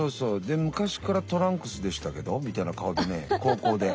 で「昔からトランクスでしたけど」みたいな顔でね高校で。